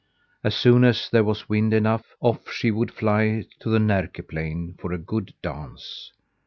As soon as there was wind enough, off she would fly to the Närke plain for a good dance.